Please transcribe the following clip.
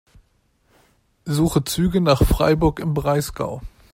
Suche Züge nach Freiburg im Breisgau.